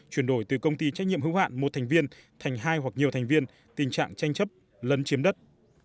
chuyển đổi từ công ty trách nhiệm hữu hạn một thành viên thành hai hoặc nhiều thành viên tình trạng tranh chấp lấn chiếm đất